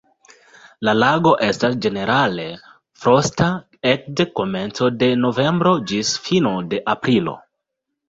La lago estas ĝenerale frosta ekde komenco de novembro ĝis fino de aprilo.